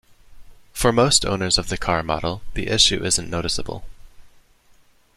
For most owners of the car model, the issue isn't noticeable.